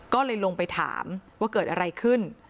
ก็เลยลงไปถามว่าเกิดอะไรขึ้น